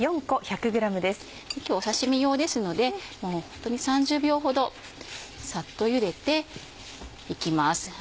今日刺身用ですのでもうホントに３０秒ほどサッとゆでていきます。